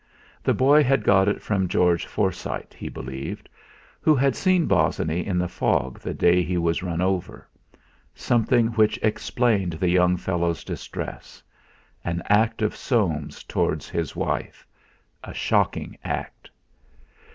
The boy had got it from George Forsyte, he believed, who had seen Bosinney in the fog the day he was run over something which explained the young fellow's distress an act of Soames towards his wife a shocking act.